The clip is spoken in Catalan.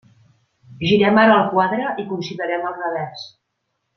Girem ara el quadre i considerem el revers.